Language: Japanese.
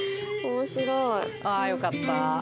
ああよかった。